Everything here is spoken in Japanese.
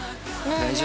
大丈夫？